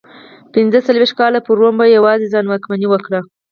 پنځه څلوېښت کاله پر روم په یوازې ځان واکمني وکړه